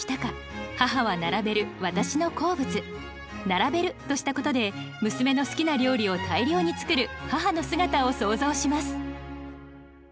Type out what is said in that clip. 「並べる」としたことで娘の好きな料理を大量に作る母の姿を想像します。